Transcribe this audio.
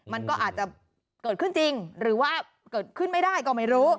มันก็อาจจะเกิดขึ้นจริงหรือว่าเกิดขึ้นไม่ได้ก็ไม่รู้